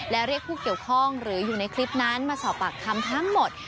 และเรียกผู้เกี่ยวข้องหรืออยู่ในคลิปนั้นมาสอบปากคำทั้งหมด